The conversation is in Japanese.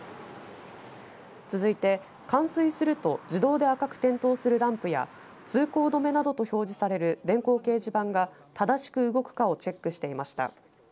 続いて冠水すると自動で赤く点灯するランプや通行止めなどと表示される電光掲示板が正しく動くかをチェックしていました。